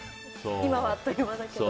今はあっという間だけど。